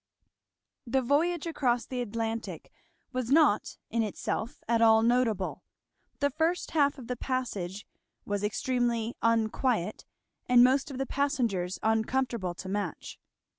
The voyage across the Atlantic was not, in itself, at all notable. The first half of the passage was extremely unquiet, and most of the passengers uncomfortable to match.